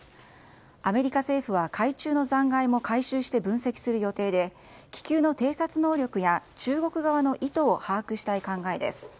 アメリカ政府は海中の残骸も回収して分析する予定で気球の偵察能力や中国側の意図を把握したい考えです。